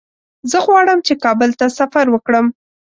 زه غواړم چې کابل ته سفر وکړم.